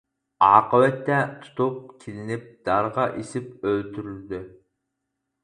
ئاقىۋەتتە تۇتۇپ كېلىنىپ دارغا ئېسىپ ئۆلتۈردى.